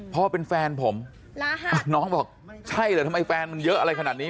พ่อเป็นแฟนผมน้องบอกใช่เหรอทำไมแฟนมันเยอะอะไรขนาดนี้